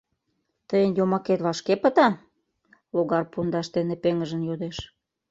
— Тыйын йомакет вашке пыта? — логар пундаш дене пеҥыжын йодеш.